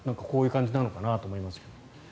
こういう感じなのかなと思いますけれど。